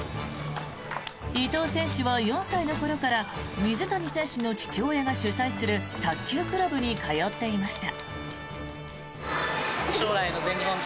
伊藤選手は４歳の頃から水谷選手の父親が主催する卓球クラブに通っていました。